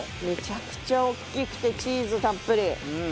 めちゃくちゃ大きくてチーズたっぷり。